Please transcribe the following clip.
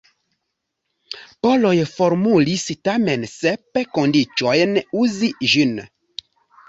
Poloj formulis tamen sep kondiĉojn uzi ĝin.